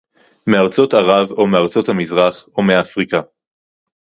מארצות ערב או מארצות המזרח או מאפריקה